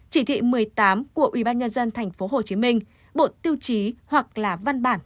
chỉ thị một mươi tám của ubnd tp hcm bộ tiêu chí hoặc là văn bản